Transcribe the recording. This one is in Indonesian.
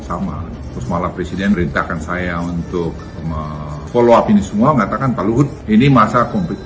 sama terus malah presiden merintahkan saya untuk follow up ini semua mengatakan pak luhut ini masa konflik